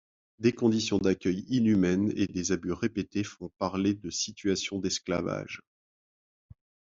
Des conditions d'accueil inhumaines et des abus répétés font parler de situations d'esclavage.